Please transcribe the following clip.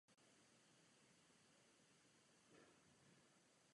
A obráceně.